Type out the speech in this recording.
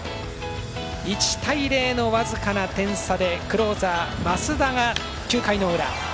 １対０の僅かな点差でクローザー、増田が９回の裏。